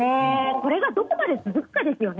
これがどこまで続くかですよね。